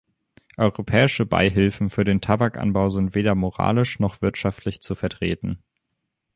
Europäische Beihilfen für den Tabakanbau sind weder moralisch noch wirtschaftlich zu vertreten.